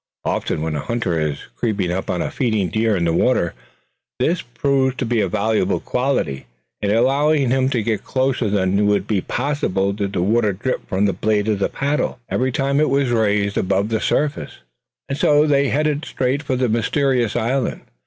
Often when a hunter is creeping up on a feeding deer in the water, this proves to be a valuable quality, in allowing him to get closer than would be possible did the water drip from the blade of the paddle every time it was raised above the surface. And so they headed straight for the mysterious island.